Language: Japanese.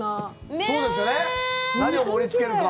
そうですね、何を盛りつけるか。